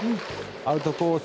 アウトコース